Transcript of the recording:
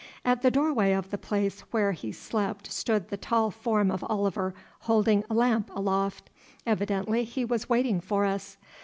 At the doorway of the place where he slept stood the tall form of Oliver holding a lamp aloft. Evidently he was waiting for us.